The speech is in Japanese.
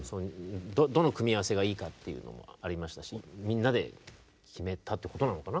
どの組み合わせがいいかっていうのもありましたしみんなで決めたってことなのかな？